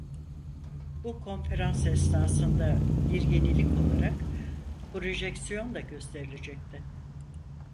Bu konferans esnasında, bir yenilik olarak, projeksiyon da gösterilecekti.